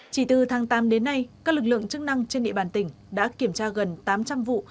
chỉ từ tháng tám đến nay các lực lượng chức năng trên địa bàn tỉnh đã kiểm tra gần tám trăm linh vụ